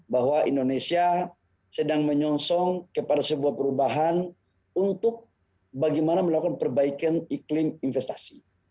bahwa indonesia sedang menyongsong kepada sebuah perubahan untuk bagaimana melakukan perbaikan iklim investasi